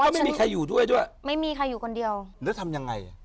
ไม่มีใครอยู่ด้วยด้วยไม่มีใครอยู่คนเดียวแล้วทำยังไง